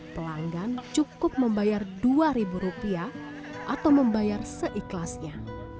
pelanggan cukup membayar rp dua atau membayar seikhlasnya